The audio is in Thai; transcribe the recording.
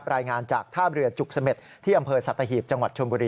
รายงานจากท่าเรือจุกเสม็ดที่อำเภอสัตหีบจังหวัดชมบุรี